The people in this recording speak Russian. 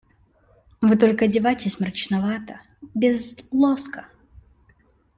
Вы только одеваетесь мрачновато, без лоска.